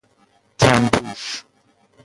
تن پوش